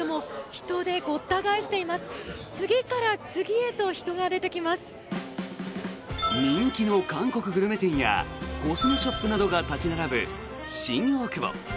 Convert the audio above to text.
人気の韓国グルメ店やコスメショップなどが立ち並ぶ新大久保。